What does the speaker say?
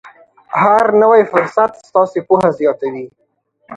هر نوی فرصت ستاسې پوهه زیاتوي.